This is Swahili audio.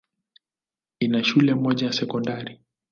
Ina shule moja ya sekondari.